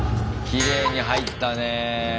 きれいに入ったねえ。